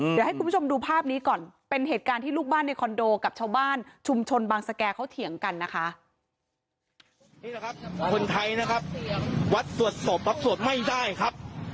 เดี๋ยวให้คุณผู้ชมดูภาพนี้ก่อนเป็นเหตุการณ์ที่ลูกบ้านในคอนโดกับชาวบ้านชุมชนบางสแก่เขาเถียงกันนะคะ